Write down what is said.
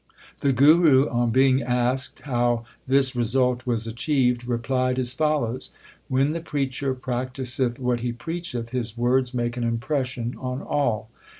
The Guru, on being asked how this result was achieved, replied as follows : When the preacher practiseth what he preacheth, his words make an impression on all.